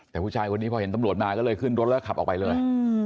แต่ผู้ชายคนนี้พอเห็นตำรวจมาก็เลยขึ้นรถแล้วก็ขับออกไปเลย